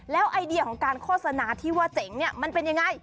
แล้วไอเดียของการโฆษณาที่ว่าเจ๋งเนี่ยมันเป็นยังไง